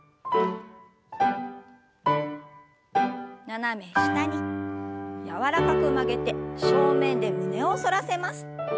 斜め下に柔らかく曲げて正面で胸を反らせます。